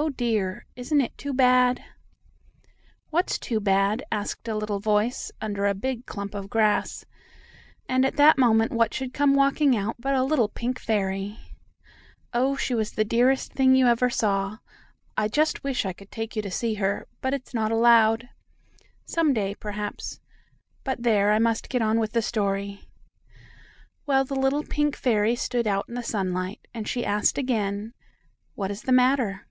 Oh, dear! Isn't it too bad?" "What's too bad?" asked a little voice, under a big clump of grass, and at that moment what should come walking out but a little pink fairy. Oh, she was the dearest little thing you ever saw! I just wish I could take you to see her, but it's not allowed. Some day, perhaps but there, I must get on with the story. Well, the little pink fairy stood out in the sunlight, and she asked again: "What is the matter?"